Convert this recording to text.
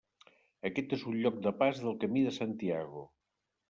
Aquest és un lloc de pas del Camí de Santiago.